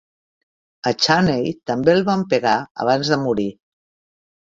A Chaney també el van pegar abans de morir.